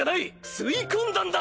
吸い込んだんだ！